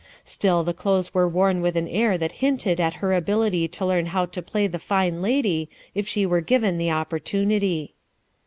Still the clothes were worn with an air that hinted at her ability to learn how to play the fine lady if she were given the opportunity.